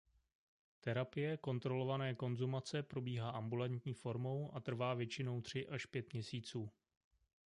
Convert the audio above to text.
Terapie Kontrolované konzumace probíhá ambulantní formou a trvá většinou tři až pět měsíců.